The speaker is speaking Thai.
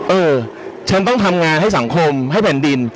เออฉันต้องทำงานให้สังคมให้แผ่นดิน